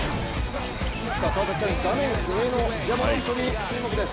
川崎さん、画面上のジャ・モラントに注目です。